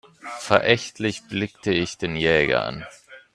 Verächtlich blickte ich den Jäger an.